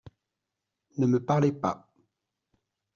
Ne me parlez pas.